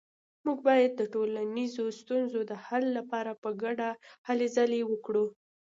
موږ باید د ټولنیزو ستونزو د حل لپاره په ګډه هلې ځلې وکړو